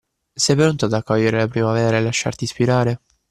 Sei pronto ad accogliere la primavera e lasciarti ispirare?